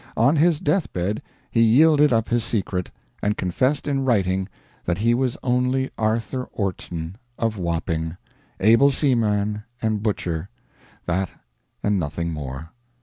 On his death bed he yielded up his secret, and confessed in writing that he was only Arthur Orton of Wapping, able seaman and butcher that and nothing more.